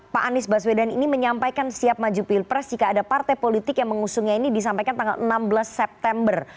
pak anies baswedan ini menyampaikan siap maju pilpres jika ada partai politik yang mengusungnya ini disampaikan tanggal enam belas september